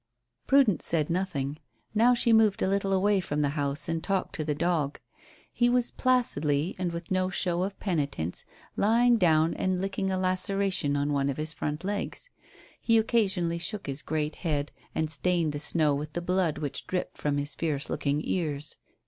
Prudence said nothing. Now she moved a little away from the house and talked to the dog. He was placidly, and with no show of penitence, lying down and licking a laceration on one of his front legs. He occasionally shook his great head, and stained the snow with the blood which dripped from his fierce looking ears.